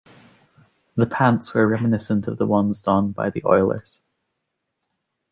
The pants were reminiscent of the ones donned by the Oilers.